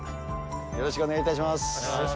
よろしくお願いします。